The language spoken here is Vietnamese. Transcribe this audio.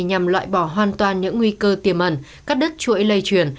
nhằm loại bỏ hoàn toàn những nguy cơ tiềm ẩn cắt đứt chuỗi lây truyền